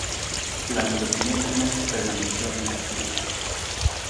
Durante los siguientes meses permaneció inactiva.